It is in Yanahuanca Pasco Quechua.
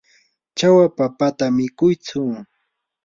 chawa papata mikuytsu.